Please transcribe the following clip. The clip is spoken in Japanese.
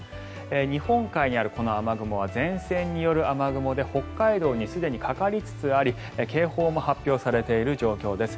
日本海にあるこの雨雲は前線による雨雲で北海道にすでにかかりつつあり警報も発表されている状況です。